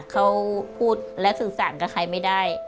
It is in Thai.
เขาพูดและสื่อสารกับใครไม่ได้